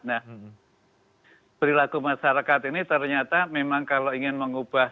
nah perilaku masyarakat ini ternyata memang kalau ingin mengubah